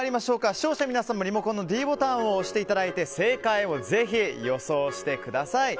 視聴者の皆さんもリモコンのｄボタンを押して正解をぜひ予想してください。